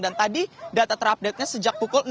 dan tadi data terupdate nya sejak pukul